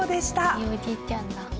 いいおじいちゃんだ。